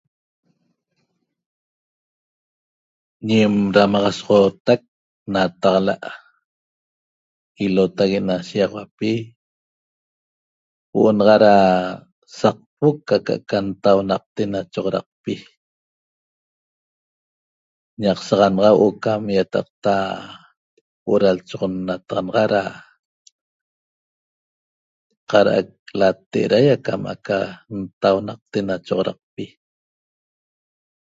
ñem ramaxasoxotac nataxala ilotaguee na shixahuapii naxa da saqpoc aca na choxoracpi ñac saxanaxa da huo o' da choxon nataxanaxa na carac lataheraei cam aca ntahunacte ena choxoracpi